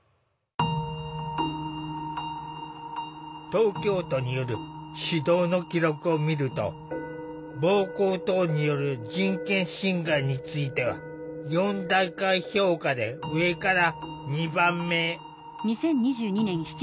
東京都による指導の記録を見ると暴行等による人権侵害については４段階評価で上から２番目。